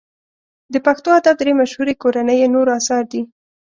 د پښتو ادب درې مشهوري کورنۍ یې نور اثار دي.